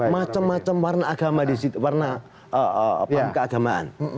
macem macem warna agama di situ warna keagamaan